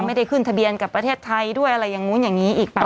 ไม่ได้ขึ้นทะเบียนกับประเทศไทยด้วยอะไรอย่างนู้นอย่างนี้อีกป่ะ